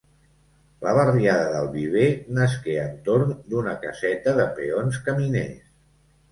La barriada del Viver nasqué entorn d'una caseta de peons caminers.